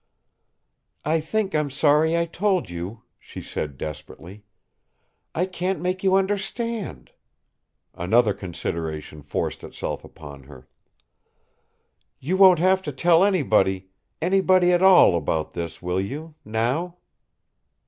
"I think I'm sorry I told you," she said, desperately. "I can't make you understand!" Another consideration forced itself upon her. "You won't have to tell anybody anybody at all about this, will you now?"